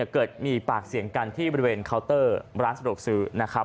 เกิดมีปากเสี่ยงกันบริเวณเคาน์เตอร์ร้านสะดวกซื้อ